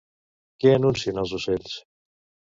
Què anuncien els ocells?